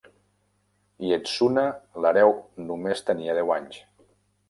Ietsuna, l'hereu, només tenia deu anys.